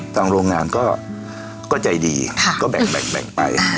โรงงานก็ใจดีก็แบ่งไป